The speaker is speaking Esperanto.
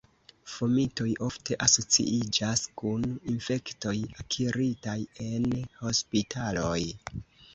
Fomitoj ofte asociiĝas kun infektoj akiritaj en hospitaloj.